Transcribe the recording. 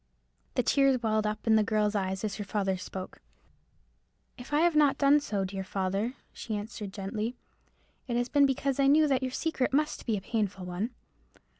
The tears welled up to the girl's eyes as her father spoke. "If I have not done so, dear father," she answered, gently, "it has been because I knew your secret must be a painful one.